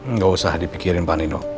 nggak usah dipikirin pak nino